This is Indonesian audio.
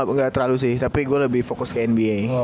oh ibl gue gak terlalu sih tapi gue lebih fokus ke nba